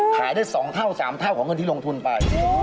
ขายได้๒เท่า๓เท่าของเงินที่ลงทุนไป